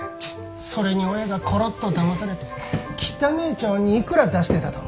それに親がコロッとだまされて汚え茶わんにいくら出してたと思う？